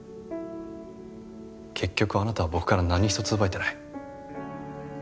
結局あなたは僕から何一つ奪えてない。